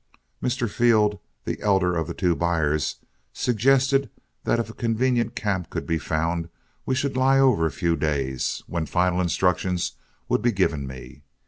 Mr. Field, the elder of the two buyers, suggested that if a convenient camp could be found, we should lie over a few days, when final instructions would be given me.